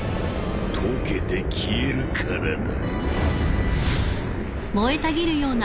溶けて消えるからだ。